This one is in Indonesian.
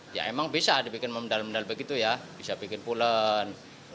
ya emang bisa dibikin membedal mendal begitu ya bisa bikin pulen